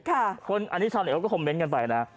อันนี้ชาวหน่อยก็คอมเม้นต์กันไปนะ